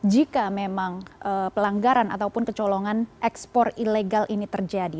jika memang pelanggaran ataupun kecolongan ekspor ilegal ini terjadi